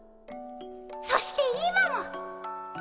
そして今も。